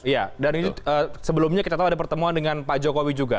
ya dan ini sebelumnya kita tahu ada pertemuan dengan pak jokowi juga